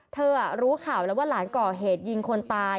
รู้ข่าวแล้วว่าหลานก่อเหตุยิงคนตาย